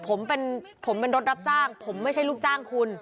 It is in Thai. ผมเป็นผมเป็นรถรับจ้างผมไม่ใช่ลูกจ้างคุณ